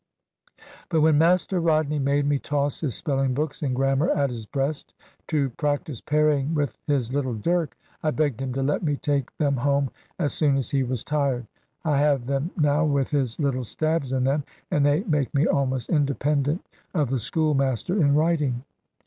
But when Master Rodney made me toss his spelling books and grammar at his breast, to practise parrying with his little dirk, I begged him to let me take them home, as soon as he was tired. I have them now with his little stabs in them, and they make me almost independent of the schoolmaster in writing.